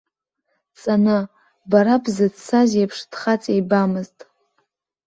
Ҵаны, бара бзыццаз иеиԥш, дхаҵеибамызт.